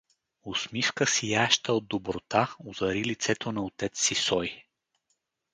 Усмивка, сияеща от доброта, озари лицето на отец Сисой.